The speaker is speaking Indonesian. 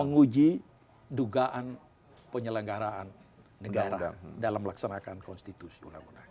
menguji dugaan penyelenggaraan negara dalam melaksanakan konstitusi